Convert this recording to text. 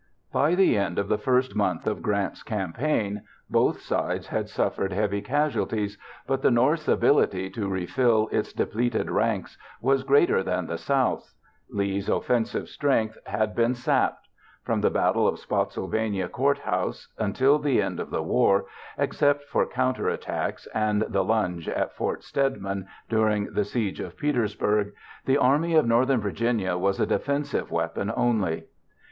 By the end of the first month of Grant's campaign, both sides had suffered heavy casualties, but the North's ability to refill its depleted ranks was greater than the South's. Lee's offensive strength had been sapped. From the Battle of Spotsylvania Court House until the end of the war, except for counterattacks and the lunge at Fort Stedman during the siege of Petersburg, the Army of Northern Virginia was a defensive weapon only.